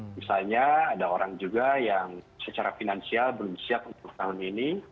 misalnya ada orang juga yang secara finansial belum siap untuk tahun ini